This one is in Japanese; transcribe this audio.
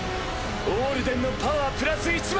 オールデンのパワープラス１００００！